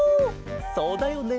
そうだよね